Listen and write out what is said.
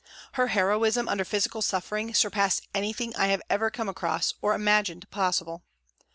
Her heroism under physical suffering surpassed anything I have ever come across or imagined possible.